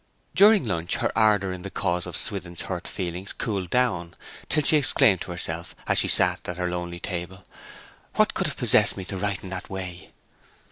During lunch her ardour in the cause of Swithin's hurt feelings cooled down, till she exclaimed to herself, as she sat at her lonely table, 'What could have possessed me to write in that way!'